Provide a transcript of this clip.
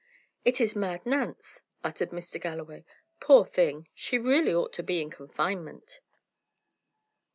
"It is Mad Nance!" uttered Mr. Galloway. "Poor thing! she really ought to be in confinement."